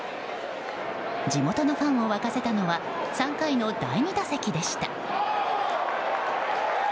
地元のファンを沸かせたのは３回の第２打席でした。